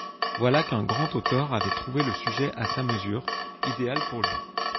Voilà qu'un grand auteur avait trouvé le sujet à sa mesure, idéal pour lui.